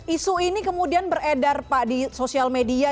isu ini kemudian beredar pak di sosial media